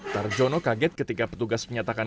tarjono kaget ketika petugas menyatakan